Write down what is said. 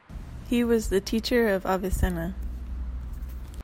He was the teacher of Avicenna.